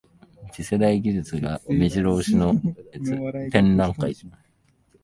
次世代技術がめじろ押しの展覧会